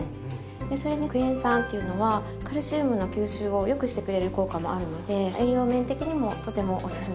それにクエン酸っていうのはカルシウムの吸収をよくしてくれる効果もあるので栄養面的にもとてもおすすめ。